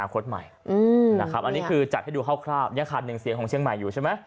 นะครับอันนี้คือจัดให้ดูคร่าวยังขาดหนึ่งเสียงของเชียงใหม่อยู่ใช่ไหม